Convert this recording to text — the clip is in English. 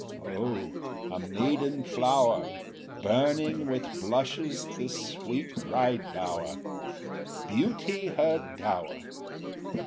O, a maiden flower, Burning with blushes the sweet bride bower, Beauty her dower!